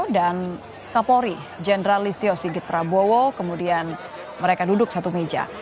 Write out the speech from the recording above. dan kapolri jenderal listio sigit prabowo kemudian mereka duduk satu meja